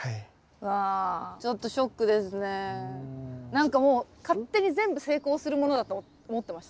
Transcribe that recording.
何かもう勝手に全部成功するものだと思ってました。